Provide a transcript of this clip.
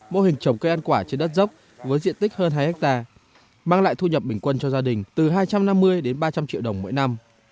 mô hình trồng cây ăn quả trên đất dốc với diện tích hơn hai hectare mang lại thu nhập bình quân cho gia đình từ hai trăm năm mươi đến ba trăm linh triệu đồng mỗi năm